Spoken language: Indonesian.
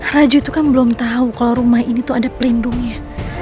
raju itu kan belum tau kalo rumah ini tuh ada perlindungnya